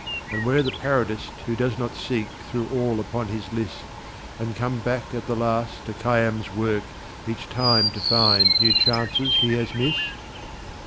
And where the Parodist Who does not seek through all upon his List And come back at the last to Khayyam's work Each time to find New Chances he has missed?